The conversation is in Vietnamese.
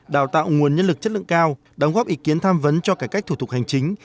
đào tạo nguồn nhân lực chất lượng cao đóng góp ý kiến tham vấn cho cải cách thủ tục hành chính